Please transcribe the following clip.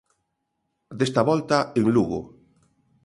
Desta volta, en Lugo.